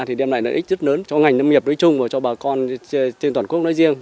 thì đem lại lợi ích rất lớn cho ngành nông nghiệp nói chung và cho bà con trên toàn quốc nói riêng